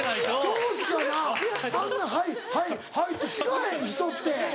そうしかなあんな「はいはいはい」って聞かへん人って。